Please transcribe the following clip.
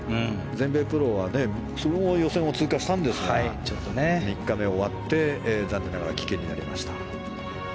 全米プロは予選を通過したんですが３日目終わって、残念ながら棄権になりました。